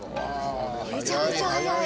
めちゃくちゃ早い。